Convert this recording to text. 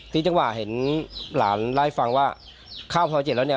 ติดจังหวะเห็นหลานไล่ฟังว่าเข้าสอยเจ็ดแล้วเนี่ย